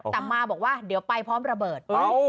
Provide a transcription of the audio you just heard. แต่มาบอกว่าเดี๋ยวไปพร้อมระเบิด